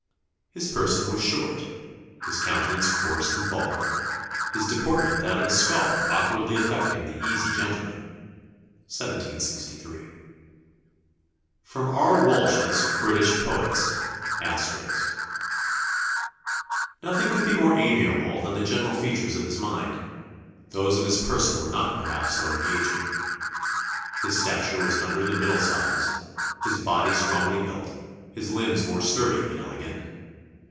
His person was short, his countenance coarse and vulgar, his deportment that of a scholar awkwardly affecting the easy gentleman." 1763. [Sidenote: R. Walsh's British Poets. *] "Nothing could be more amiable than the general features of his mind; those of his person were not perhaps so engaging. His stature was under the middle size, his body strongly built, and his limbs more sturdy than elegant.